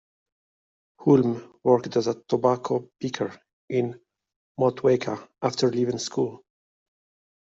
Hulme worked as a tobacco picker in Motueka after leaving school.